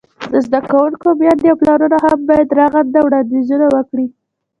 د زده کوونکو میندې او پلرونه هم باید رغنده وړاندیزونه وکړي.